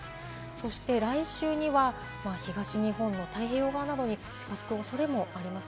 そして来週には東日本の太平洋側などに近づく恐れもあります